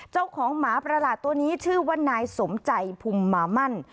เจ้าของหมาประหลาดตัวนี้ชื่อว่านายสมใจพุมมามั่น